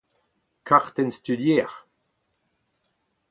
kartenn studier